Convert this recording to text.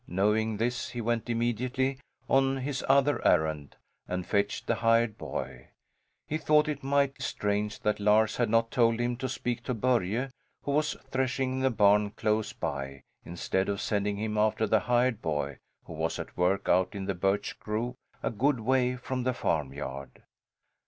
Knowing this he went immediately on his other errand, and fetched the hired boy. He thought it mighty strange that Lars had not told him to speak to Börje, who was threshing in the barn close by, instead of sending him after the hired boy, who was at work out in the birch grove, a good way from the farmyard.